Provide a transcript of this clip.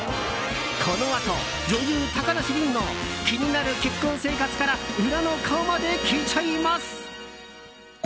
このあと女優・高梨臨の気になる結婚生活から裏の顔まで聞いちゃいます！